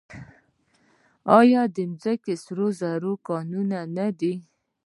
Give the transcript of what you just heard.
آیا ځمکه د سرو زرو کان نه دی؟